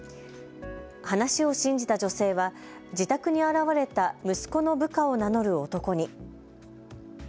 話を信じた女性は自宅に現れた息子の部下を名乗る男に。